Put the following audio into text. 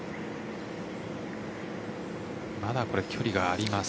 まだ距離があります。